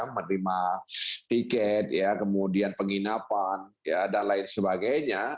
menerima tiket kemudian penginapan dan lain sebagainya